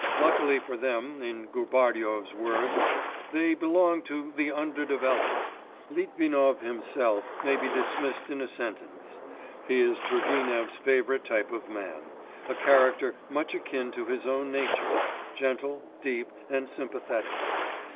Luckily for them, in Gubaryov's words, they belong 'to the undeveloped.' Litvinov himself may be dismissed in a sentence. He is Turgenev's favourite type of man, a character much akin to his own nature, gentle, deep, and sympathetic.